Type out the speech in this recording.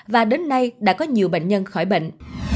và đến nay đã có nhiều bệnh nhân khỏi bệnh